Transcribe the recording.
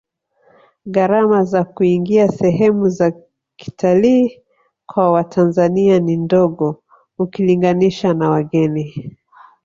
gharama za kuingia sehemu za kitalii kwa watanzania ni ndogo ukilinganisha na wageni